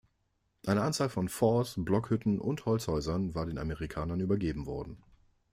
Eine Anzahl von Forts, Blockhütten und Holzhäusern war den Amerikanern übergeben worden.